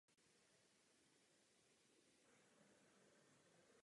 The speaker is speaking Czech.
V parlamentu působil jako odborník na zemědělství.